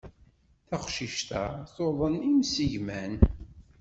Taqcict-a tuḍen imsigman.